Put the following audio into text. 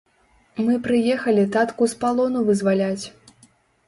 Мы прыехалі татку з палону вызваляць.